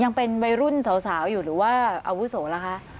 ยังเป็นวัยรุ่นสาวอยู่หรือว่าอาวุโสล่ะคะ